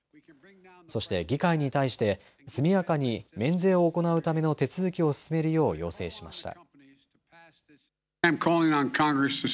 そして、議会に対して速やかに免税を行うための手続きを進めるよう要請しました。